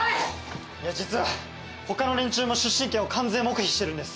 実は他の連中も出身県を完全黙秘してるんです。